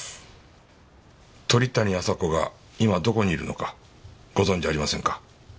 鳥谷亜沙子が今どこにいるのかご存じありませんか？